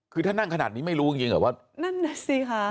คือถ้านั่งขนาดนี้ไม่รู้จริงจริงเหรอว่านั่นน่ะสิค่ะ